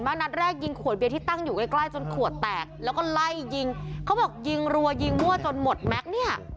นัดแรกยิงขวดเบียร์ที่ตั้งอยู่ใกล้ใกล้จนขวดแตกแล้วก็ไล่ยิงเขาบอกยิงรัวยิงมั่วจนหมดแม็กซ์เนี่ย